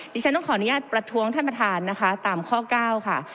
ฉันต้องขออนุญาตประท้วงท่านประธานนะคะตามข้อ๙ค่ะ